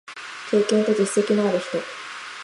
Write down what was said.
経験と実績のある人